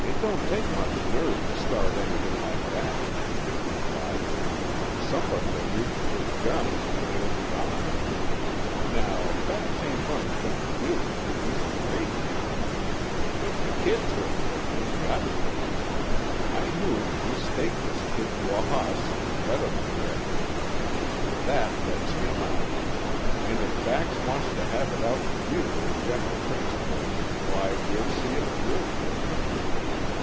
"It don't take much nerve to start anything like that," Dick replied. "Somebody'll reach for his gun, and it'll be off. Now, Bax ain't goin' to jump you—he's afraid to. If the kid's with yuh he's got to. I move we stake this kid to a hoss, and let him drift. That lets him out. And if Bax wants to have it out with yuh on general principles, why, we'll see it through."